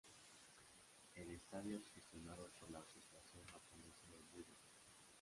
El estadio es gestionado por la Asociación Japonesa de Budō.